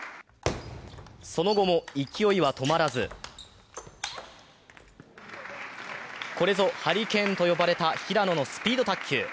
その後も勢いは止まらずこれぞハリケーンと呼ばれた平野のスピード卓球。